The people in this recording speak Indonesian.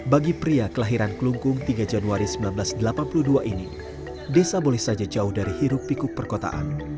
bagi pria kelahiran kelungkung tiga januari seribu sembilan ratus delapan puluh dua ini desa boleh saja jauh dari hiruk pikuk perkotaan